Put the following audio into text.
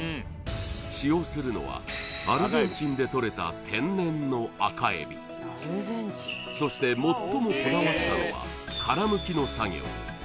使用するのはアルゼンチンでとれた天然の赤えびそして最もこだわったのは殻むきの作業